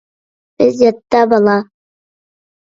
بىز يەتتە بالا